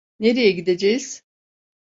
Nereye gideceğiz?